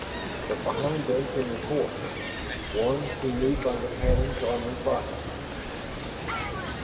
But behind them came a fourth, one he knew by the patterns on her body.